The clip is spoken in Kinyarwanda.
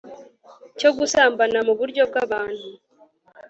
cyo gusambana mu buryo bw'abantu